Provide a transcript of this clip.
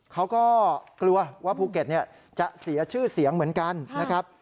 เขาก็กลัวว่าภูเก็ตจะเสียชื่อเสียงเหมือนกันนะครับ